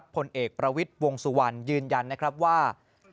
ผลเอกประวิทย์วงสุวรรณยืนยันนะครับว่า